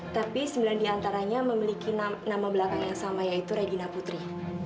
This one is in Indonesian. tapi sembilan diantaranya memiliki nama belakang yang sama yaitu regina putri